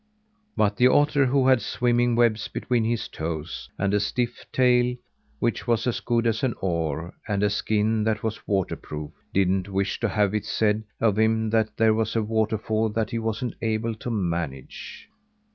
But the otter, who had swimming webs between his toes, and a stiff tail which was as good as an oar and a skin that was water proof, didn't wish to have it said of him that there was a waterfall that he wasn't able to manage.